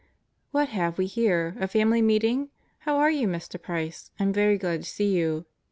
"What have we here a family meeting? How are you, Mr. Price? I'm very glad to see you.